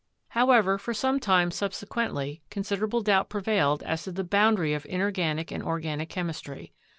However, for some time subsequently considerable doubt prevailed as to the boundary of inorganic and or ganic chemistry.